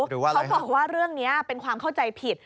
หรือว่าอะไรครับเขาบอกว่าเรื่องนี้เป็นความเข้าใจผิด